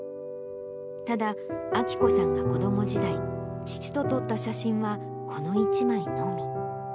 ただ、章子さんは子ども時代、父と撮った写真はこの１枚のみ。